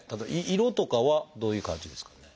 色とかはどういう感じですかね？